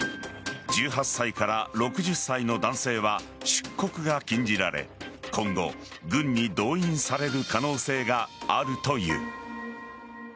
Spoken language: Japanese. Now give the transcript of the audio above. １８歳から６０歳の男性は出国が禁じられ今後、軍に動員される可能性があるという。